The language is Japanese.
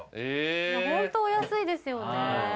ホントお安いですよね